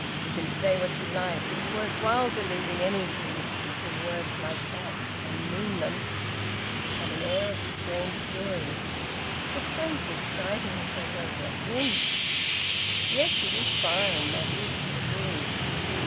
"You can say what you like. It's worth while believing anything, if you can sing words like that and mean them!" She had an air of restrained fury. But fancy exciting herself over a hymn! "Yes, it is fine, that is!" he agreed.